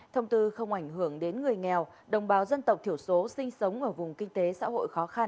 thông tư không ảnh hưởng đến người nghèo đồng bào dân tộc thiểu số sinh sống ở vùng kinh tế xã hội khó khăn